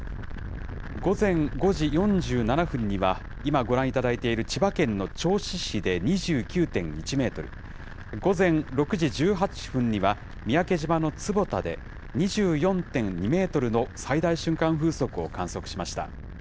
午前５時４７分には、今ご覧いただいている千葉県の銚子市で２９．１メートル、午前６時１８分には、三宅島の坪田で２４．２メートルの最大瞬間風速を観測しました。